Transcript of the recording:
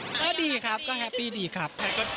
ก็ดีครับก็แฮปปี้ดีครับ